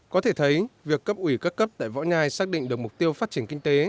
có thể thấy việc cấp ủy các cấp tại võ nhai xác định được mục tiêu phát triển kinh tế